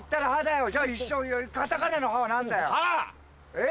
えっ？